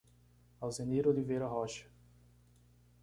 Alzenir Oliveira Rocha